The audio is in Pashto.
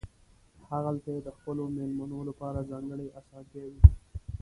هغلته یې د خپلو مېلمنو لپاره ځانګړې اسانتیاوې دي.